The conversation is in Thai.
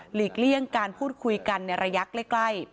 เลี่ยงการพูดคุยกันในระยะใกล้